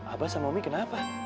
abah sama ummi kenapa